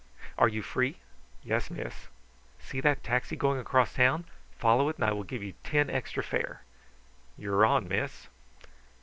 "Are you free?" "Yes, miss." "See that taxi going across town? Follow it and I will give you ten extra fare." "You're on, miss."